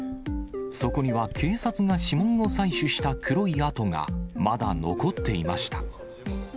そこには警察が指紋を採取した黒い跡がまだ残っていました。